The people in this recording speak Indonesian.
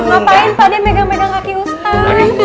ngapain pak de megang megang kaki ustadz